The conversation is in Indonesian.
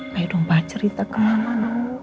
pak iduh pak cerita ke mama dulu